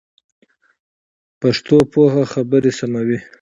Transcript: پښتو پوهه خبري سموي.